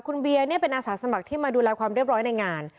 คุณเบียร์เป็นอาสาสมัครที่มาดูแลความเรียบร้อยในงาน